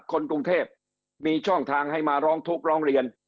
คนกรุงเทพมีช่องทางให้มาร้องทุกข์ร้องเรียน